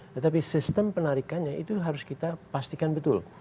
tetapi sistem penarikannya itu harus kita pastikan betul